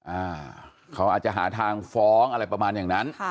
อ่าเขาอาจจะหาทางฟ้องอะไรประมาณอย่างนั้น